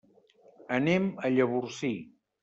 Anem a Llavorsí.